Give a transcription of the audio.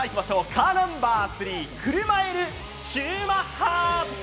カーナンバー３クルマエル・シューマッハ。